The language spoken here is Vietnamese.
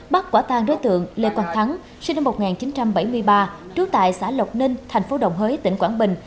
bắt quả tang đối tượng lê quang thắng sinh năm một nghìn chín trăm bảy mươi ba trú tại xã lộc ninh thành phố đồng hới tỉnh quảng bình